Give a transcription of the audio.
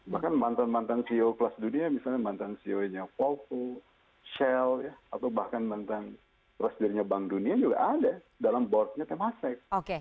bahkan mantan mantan ceo kelas dunia misalnya mantan ceo nya popu shell atau bahkan mantan presidennya bank dunia juga ada dalam boardnya temasek